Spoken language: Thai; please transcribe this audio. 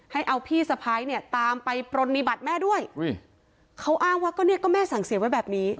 ให้เอาพี่สะพ้ายเนี่ยตามไปปรณีบัตรแม่ด้วยอุ้ยเขาอ้างว่าก็เนี่ยก็แม่สั่งเสียไว้แบบนี้